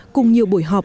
cùng nhiều buổi họp